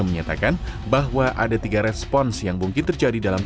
menyatakan bahwa ada tiga respons yang mungkin terjadi dalam